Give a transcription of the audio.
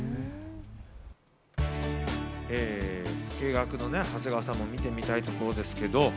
老け役の長谷川さんも見てみたいところですけど。